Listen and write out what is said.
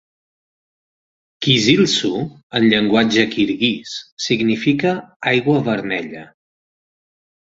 "Kizilsu" en llenguatge kirguís significa "aigua vermella".